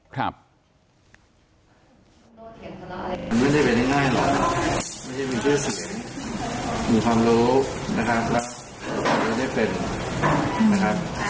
มันไม่ได้เป็นง่ายหรอกไม่ใช่มีชื่อเสียงมีความรู้นะครับแล้วได้เป็นนะครับ